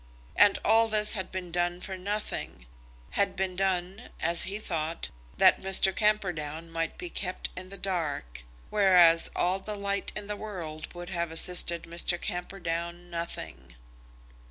And all this had been done for nothing, had been done, as he thought, that Mr. Camperdown might be kept in the dark, whereas all the light in the world would have assisted Mr. Camperdown nothing.